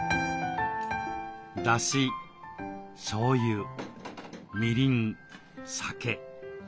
だししょうゆみりん酒。